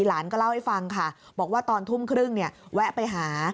หลานก็เล่าให้ฟังค่ะบอกว่าตอนทุ่มครึ่งเนี่ยแวะไปหา